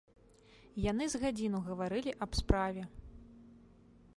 Яны з гадзіну гаварылі аб справе.